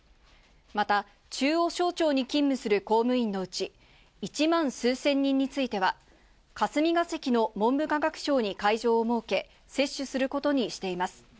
また中央省庁に勤務する公務員のうち、１万数千人については、霞が関の文部科学省に会場を設け、接種することにしています。